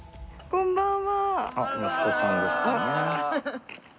こんばんは。